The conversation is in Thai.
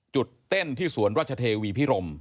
เต้นที่สวนราชเทวีพิรม